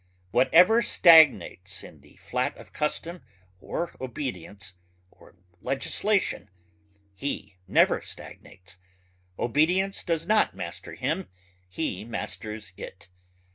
Whatever stagnates in the flat of custom or obedience or legislation he never stagnates. Obedience does not master him, he masters it.